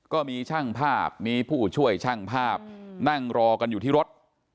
ก็มีช่างภาพมีผู้ช่วยช่างภาพนั่งรอกันอยู่ที่รถ